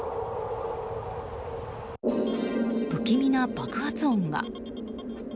不気味な爆発音が。